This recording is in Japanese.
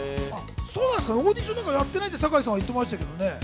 オーディションなんかやってないって酒井さんは言ってましたね。